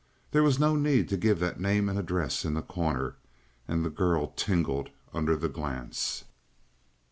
There was no need to give that name and address in The Corner, and the girl tingled under the glance.